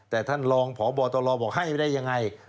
แต่ท่านฐานลองและพบก็บอกให้ไม่ได้ยังไง